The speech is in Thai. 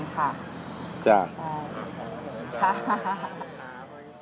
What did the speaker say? ก็จะมีรายละเอียดครบทุกอย่างอยู่ในนั้นค่ะ